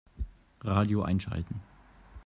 Radio einschalten.